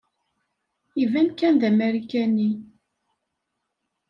Iban kan d Amarikani.